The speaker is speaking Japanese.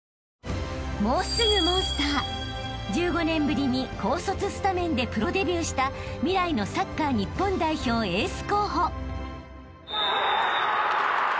［１５年ぶりに高卒スタメンでプロデビューした未来のサッカー日本代表エース候補］